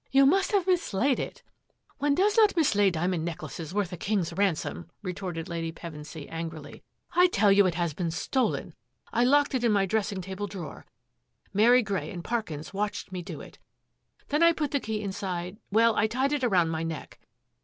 " You must have mislaid it." ^^ One does not mislay diamond necklaces worth a king's ransom," retorted Lady Pevensy angrily. " I tell you it has been stolen. I locked it in my dressing table drawer. Mary Grey and Parkins watched me do it. Then I put the key inside — well, I tied it around my neck.